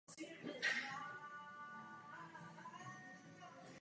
Jiří Paroubek se věnuje i psaní knih.